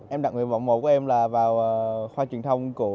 em đặt nguyện vọng một của em là vào khoa truyền thông cũ